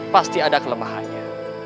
pasti ada kelemahannya